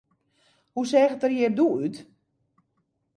Hoe seach it der hjir doe út?